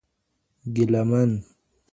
ګیلامن